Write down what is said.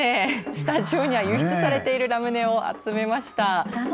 スタジオには輸出されているラムネを集めました。